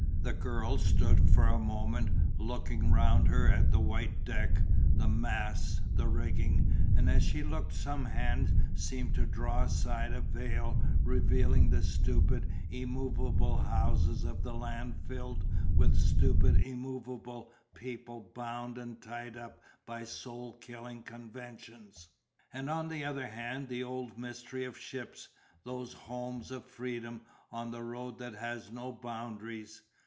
The girl stood for a moment looking round her at the white deck, the masts, the rigging, and as she looked some hand seemed to draw aside a veil revealing the stupid immovable houses of the land filled with stupid immovable people bound and tied up by soul killing conventions and on the other hand the old mystery of ships, those homes of Freedom on the road that has no boundaries.